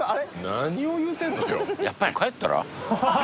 何を言うてんのよ